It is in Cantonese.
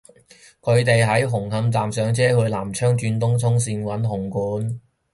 佢哋喺紅磡站上車去南昌轉東涌綫搵紅館